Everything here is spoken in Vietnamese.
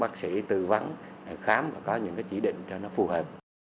tư vấn khám và có những cái chỉ định cho nó phù hợp